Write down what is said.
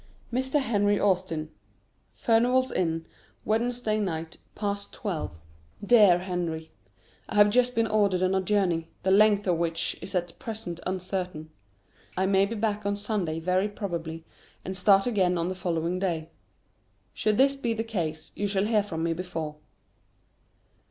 [Sidenote: Mr. Henry Austin.] FURNIVAL'S INN, Wednesday Night, past 12. DEAR HENRY, I have just been ordered on a journey, the length of which is at present uncertain. I may be back on Sunday very probably, and start again on the following day. Should this be the case, you shall hear from me before.